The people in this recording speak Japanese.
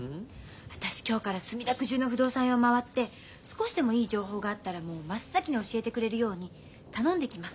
私今日から墨田区中の不動産屋を回って少しでもいい情報があったらもう真っ先に教えてくれるように頼んできます。